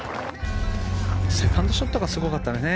セカンドショットがすごかったよね。